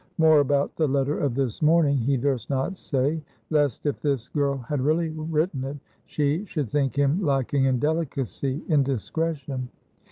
More about the letter of this morning he durst not say, lest, if this girl had really written it, she should think him lacking in delicacy, in discretion.